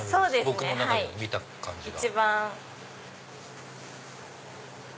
僕の中では見た感じが。